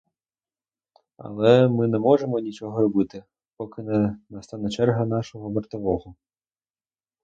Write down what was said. Але ми не можемо нічого робити, поки не настане черга нашого вартового.